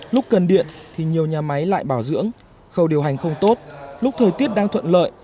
lúc cần điện thì nhiều nhà máy lại bảo dưỡng khâu điều hành không tốt lúc thời tiết đang thuận lợi